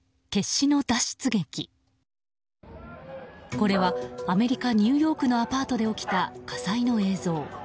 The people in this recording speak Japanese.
これはアメリカ・ニューヨークのアパートで起きた火災の映像。